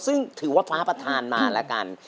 ซึ่งถือว่าฟ้าประธานมาแล้วกัน